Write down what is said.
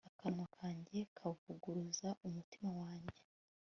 akanwa kanjye kavuguruza umutima wanjye